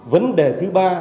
vấn đề thứ ba